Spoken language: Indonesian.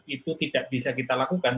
itu tidak bisa kita lakukan